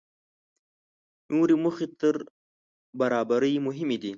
نورې موخې تر برابرۍ مهمې دي.